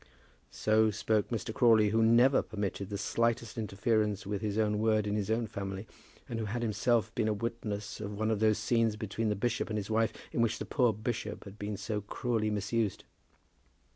So spoke Mr. Crawley, who never permitted the slightest interference with his own word in his own family, and who had himself been a witness of one of those scenes between the bishop and his wife in which the poor bishop had been so cruelly misused.